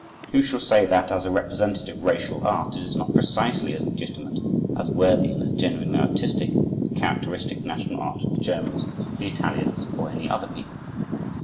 Who shall say that, as a representative racial art, it is not precisely as legitimate, as worthy, and as genuinely artistic as the characteristic national art of the Germans, the Italians, or any other people?